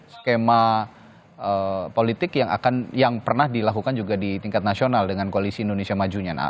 skema politik yang pernah dilakukan juga di tingkat nasional dengan koalisi indonesia majunya